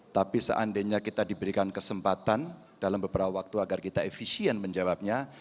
tapi seandainya kita diberikan kesempatan dalam beberapa waktu agar kita efisien menjawabnya